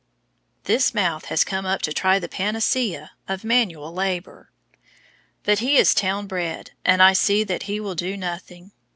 This "mouth" has come up to try the panacea of manual labor, but he is town bred, and I see that he will do nothing.